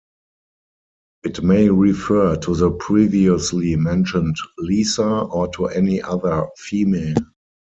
It may refer to the previously mentioned "Lisa" or to any other female.